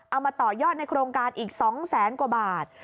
เอามาต่อยอดในโครงการอีก๒แสนกว่าบาท